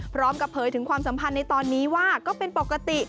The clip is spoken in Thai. พร้อมกับเผยถึงความสัมพันธ์ในตอนนี้ว่าก็เป็นปกติ